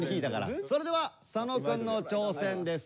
それでは佐野くんの挑戦です。